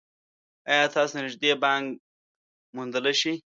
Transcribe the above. ایا تاسو نږدې بانک موندلی شئ؟